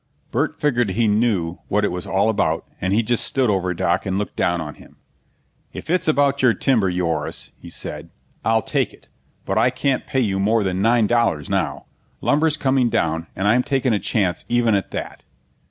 Burt figured he knew what it was all about, and he just stood over Doc and looked down on him. "If it's about your timber, Yoris," he said, "I'll take it, but I can't pay you more than nine dollars now. Lumber's coming down, and I'm taking a chance even at that."